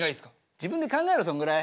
自分で考えろそんぐらい。